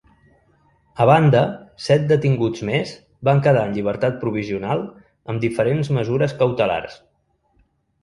A banda, set detinguts més van quedar en llibertat provisional amb diferents mesures cautelars.